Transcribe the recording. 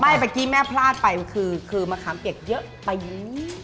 ไม่เมื่อกี้แม่พลาดไปคือคือมะคามเปียกเยอะไปนี้